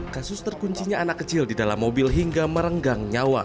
kasus terkuncinya anak kecil di dalam mobil hingga merenggang nyawa